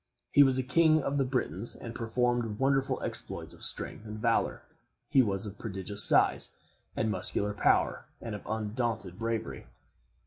He was a king of the Britons, and performed wonderful exploits of strength and valor. He was of prodigious size and muscular power, and of undaunted bravery.